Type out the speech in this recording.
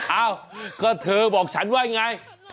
อ้าวก็เธอบอกฉันว่าอย่างไร